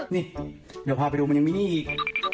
นี่เดี๋ยวพาไปดูมันยังมีนี่อีก